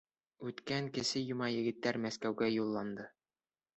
Үткән кесе йома егеттәр Мәскәүгә юлланды.